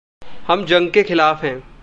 हम जंग के ख़िलाफ़ हैं।